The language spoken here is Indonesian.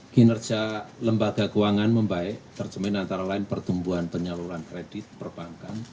kinerja lembaga keuangan membaik terjemin antara lain pertumbuhan penyaluran kredit perbankan